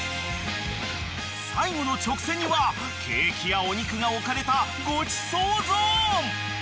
［最後の直線にはケーキやお肉が置かれたごちそうゾーン］